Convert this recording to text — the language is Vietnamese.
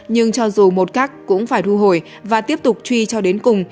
nhưng cho dù một cách cũng phải thu hồi và tiếp tục truy cho đến cùng